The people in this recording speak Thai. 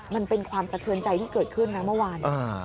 มันเป็นความสะเทือนใจที่เกิดขึ้นนะเมื่อวาน